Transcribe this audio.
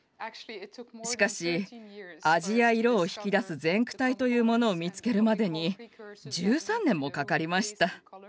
しかし味や色を引き出す前駆体というものを見つけるまでに１３年もかかりました。